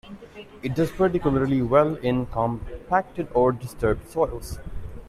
It does particularly well in compacted or disturbed soils.